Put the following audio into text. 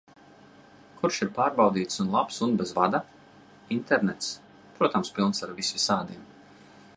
Kurš ir pārbaudīts un labs un bez vada? Internets, protams, pilns ar visvisādiem...